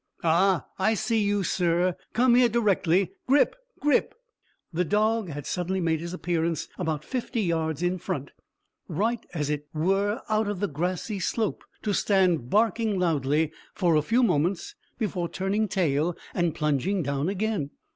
Ah, I see you, sir. Come here directly! Grip! Grip!" The dog had suddenly made his appearance about fifty yards in front, right as it were out of the grassy slope, to stand barking loudly for a few moments before turning tail and plunging down again.